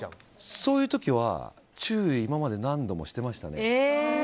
そういう時は、注意を今まで何度もしてましたね。